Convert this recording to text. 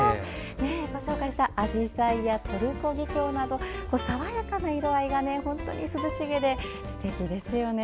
ご紹介したアジサイやトルコギキョウなど爽やかな色合いが涼しげですてきですよね。